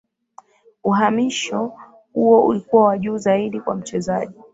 Uhamisho huo ulikuwa wa juu zaidi kwa mchezaji